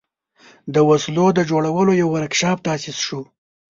د وسلو د جوړولو یو ورکشاپ تأسیس شو.